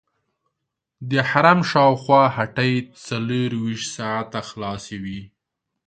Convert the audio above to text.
د حرم شاوخوا هټۍ څلورویشت ساعته خلاصې وي.